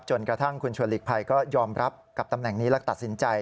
จนกระทั่งคุณชวนหลีกภัยก็ยอมรับกับตำแหน่งนี้และตัดสินใจ